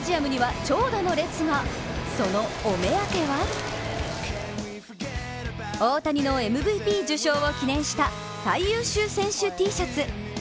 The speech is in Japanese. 木曜日、投打にわたる活躍でそのお目当ては、大谷のＭＶＰ受賞を記念した最優秀選手Ｔシャツ。